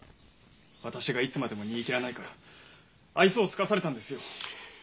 私がいつまでも煮えきらないから愛想を尽かされたんですよ。